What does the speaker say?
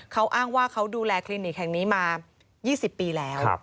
เขาอ้างว่าเขาดูแลคลินิกแห่งนี้มา๒๐ปีแล้ว